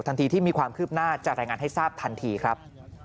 ทันทีที่มีความคืบหน้าจะรายงานให้ทราบทันทีครับ